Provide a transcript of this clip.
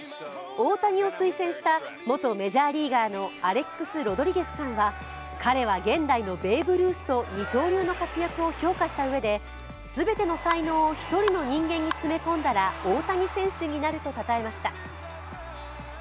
大谷を推薦した元メジャーリーガーのアレックス・ロドリゲスさんは彼は現代のベーブ・ルースと二刀流の働きを評価したうえで全ての才能を一人の人間に詰め込んだら大谷選手になるとたたえました。